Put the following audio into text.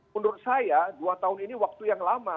menurut saya dua tahun ini waktu yang lama